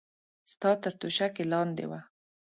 ستا تر توشکې لاندې وه.